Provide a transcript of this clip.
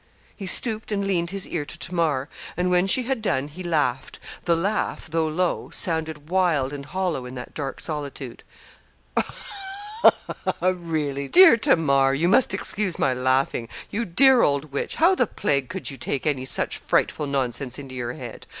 He stooped and leaned his ear to Tamar; and when she had done, he laughed. The laugh, though low, sounded wild and hollow in that dark solitude. 'Really, dear Tamar, you must excuse my laughing. You dear old witch, how the plague could you take any such frightful nonsense into your head?